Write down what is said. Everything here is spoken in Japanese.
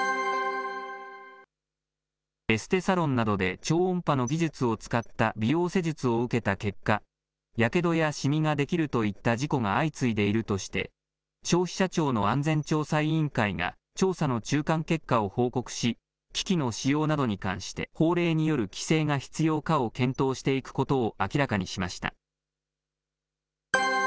エステサロンなどで超音波の技術を使った美容施術を受けた結果、やけどやシミができるといった事故が相次いでいるとして、消費者庁の安全調査委員会が、調査の中間結果を報告し、機器の使用などに関して、法令による規制が必要かを検討していくことを明らかにしました。